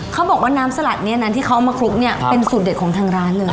เขาบอกว่าน้ำสลัดเมืองนั้นที่เขาเอามาคลุกเป็นสูตรเด็ดของผู้ชายร้านเนี่ย